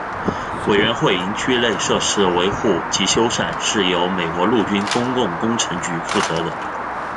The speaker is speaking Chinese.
委员会营区内设施的维护及修缮是由美国陆军公共工程局负责的。